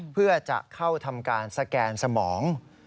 เพื่อจะเข้าทำการสแกนสมอง